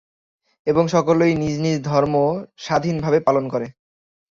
এবং সকলেই নিজ নিজ ধর্ম স্বাধীন ভাবে পালনকরে।